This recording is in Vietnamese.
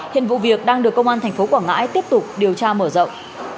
hiện vụ việc đang được công an tp quảng ngãi tiếp tục điều tra mở rộng